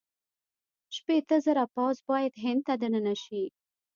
شپېته زره پوځ باید هند ته دننه شي.